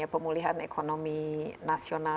pemulihan ekonomi nasional